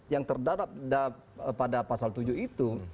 yang terdarap pada pasal tujuh itu